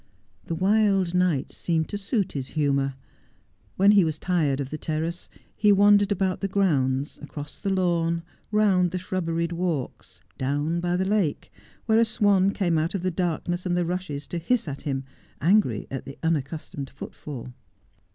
The wild night seemed to suit his humour. When he was Christmas at Tanglcy Manor. 133 tired of the terrace, he wandered about the grounds, across the lawn, round the shrubberied walks, down by the lake, where a swan came out of the darkness and the rushes to hiss at him, angry at the unaccustomed footfall.